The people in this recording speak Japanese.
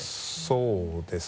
そうですね。